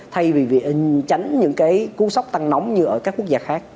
thay vì tránh những cái cú sốc tăng nóng như ở các quốc gia khác